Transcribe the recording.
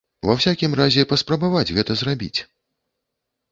Ва ўсякім разе паспрабаваць гэта зрабіць.